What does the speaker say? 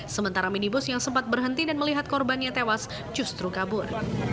sementara minibus yang sempat berhenti dan melihat korbannya tewas justru kabur